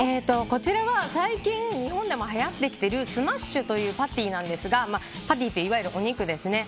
こちらは最近日本でもはやってきているスマッシュというパティなんですがパティっていわゆるお肉ですね。